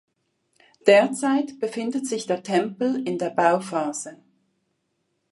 Derzeit befindet sich der Tempel in der Bauphase.